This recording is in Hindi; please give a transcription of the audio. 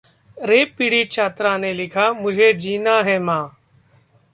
रेप पीड़ित छात्रा ने लिखा, मुझे जीना है मां